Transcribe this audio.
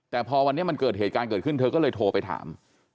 แต่พอวันนี้มันเกิดเหตุการณ์เกิดขึ้นเธอก็เลยโทรไปถาม